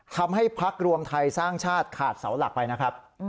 ทำให้ภักดิ์รวมไทยสร้างชาติขาดเสาหลักไปนะครับ